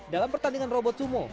dalam pertandingan robot sumo